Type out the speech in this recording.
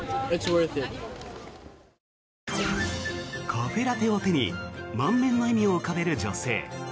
カフェラテを手に満面の笑みを浮かべる女性。